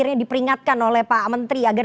akhirnya diperingatkan oleh pak menteri agar